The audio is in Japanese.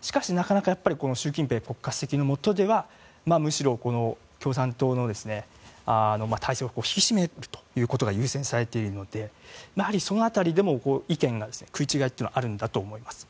しかし、なかなか習近平国家主席のもとではむしろ共産党の体制を引き締めるということが優先されているのでその辺りでも意見の食い違いっていうのはあるんだと思います。